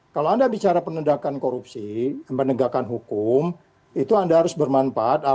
kalau anda bicara penegakan korupsi penegakan hukum itu anda harus bermanfaat